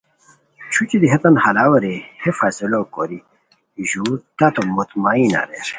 چھوچھی دی ہیتان ہالاوے رے ہے فیصلو کوری ژُور تتو مطمئن اریر